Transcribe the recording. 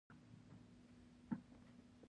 په ډېرې سختۍ به پیدا کړې چې څوک پر تن جامې ولري.